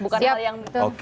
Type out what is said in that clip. bukan hal yang jelek